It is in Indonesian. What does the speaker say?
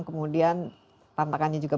kemudian tantangannya juga